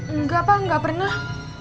enggak pak gak pernah